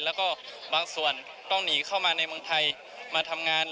แล้วก็บางส่วนต้องหนีเข้ามาในเมืองไทยมาทำงาน